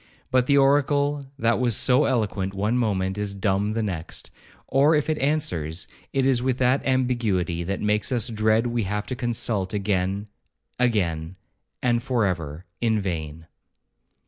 but the oracle that was so eloquent one moment, is dumb the next, or if it answers, it is with that ambiguity that makes us dread we have to consult again—again—and for ever—in vain.